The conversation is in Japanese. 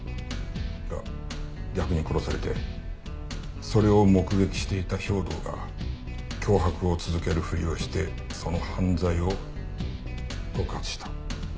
が逆に殺されてそれを目撃していた兵働が脅迫を続けるふりをしてその犯罪を告発した。